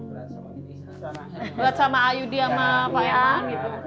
buat sama didi sama ayudi sama pak emang gitu